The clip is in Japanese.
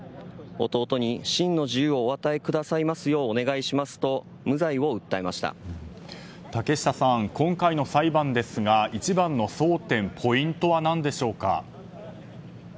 弟に真の自由をお与えくださいますよう竹下さん、今回の裁判ですが一番の争点ポイントは何でしょうか。